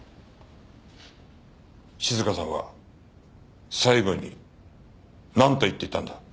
静香さんは最後になんと言っていたんだ？